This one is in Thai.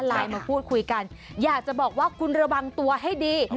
ไลน์มาพูดคุยกันอยากจะบอกว่าคุณระวังตัวให้ดี